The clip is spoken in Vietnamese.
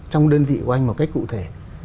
trong đơn vị của anh một cách cụ thể